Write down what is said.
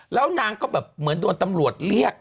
แล้วนางก็แบบเหมือนโดนตำรวจเรียก